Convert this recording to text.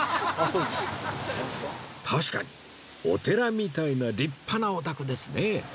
確かにお寺みたいな立派なお宅ですね